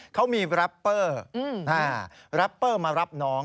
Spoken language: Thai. เขามีแรปเปอร์แรปเปอร์มารับน้อง